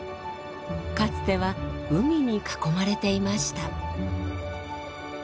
かつては海に囲まれていました。